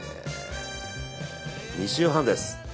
２周半です。